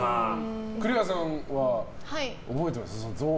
栗原さんは覚えていますか？